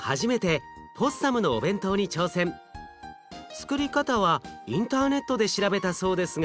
つくり方はインターネットで調べたそうですが。